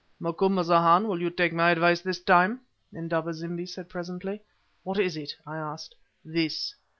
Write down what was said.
"Macumazahn, will you take my advice this time?" Indaba zimbi said, presently. "What is it?" I asked. "This.